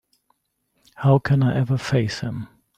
How can I ever face him?